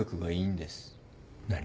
何？